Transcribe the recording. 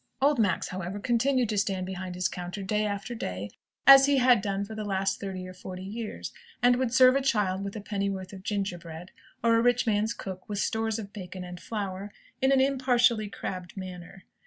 Old Max, however, continued to stand behind his counter day after day, as he had done for the last thirty or forty years, and would serve a child with a pennyworth of gingerbread, or a rich man's cook with stores of bacon and flour, in an impartially crabbed manner.